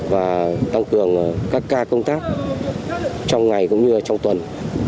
và tăng cường các ca công tác trong ngày cũng như trong tuần